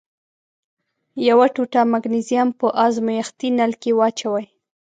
یوه ټوټه مګنیزیم په ازمیښتي نل کې واچوئ.